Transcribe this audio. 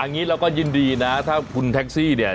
อย่างนี้เราก็ยินดีนะถ้าคุณแท็กซี่เนี่ย